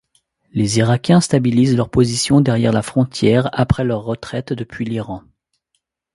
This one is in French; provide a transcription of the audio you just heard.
Les Irakiens stabilisent leurs positions derrière la frontière après leur retraite depuis l'Iran.